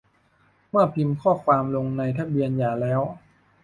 เมื่อพิมพ์ข้อความลงในทะเบียนหย่าแล้ว